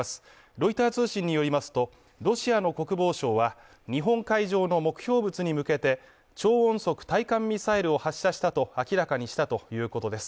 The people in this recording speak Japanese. ロイター通信によりますと、ロシアの国防省は、日本海上の目標物に向けて超音速対艦ミサイルを発射したと明らかにしたということです。